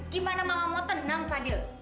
gimana mama mau tenang fadil